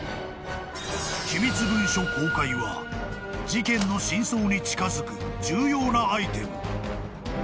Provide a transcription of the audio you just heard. ［機密文書公開は事件の真相に近づく重要なアイテム］